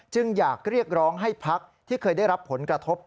อยากเรียกร้องให้พักที่เคยได้รับผลกระทบ